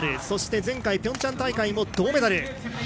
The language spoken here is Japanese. そして前回ピョンチャン大会も銅メダル。